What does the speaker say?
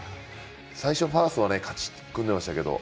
最初、ファーストは組んでましたけど。